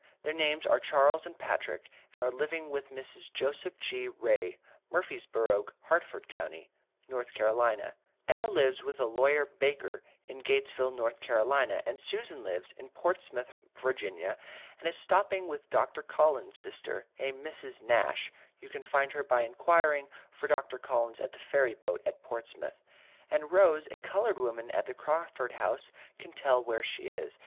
Their names are Charles and Patrick and are living with Mrs. Joseph G. Wray Murphysborough Hartford county, North Carolina; Emma lives with a Lawyer Baker in Gatesville North Carolina and Susan lives in Portsmouth Virginia and is stopping with Dr. Collins sister a Mrs. Nash you can find her out by enquiring for Dr. Collins at the ferry boat at Portsmouth, and Rose a coloured woman at the Crawford House can tell where she is.